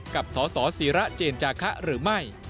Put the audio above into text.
กับสสิระเจนจาคะหรือไม่